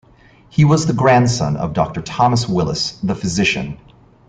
He was grandson of Doctor Thomas Willis, the physician.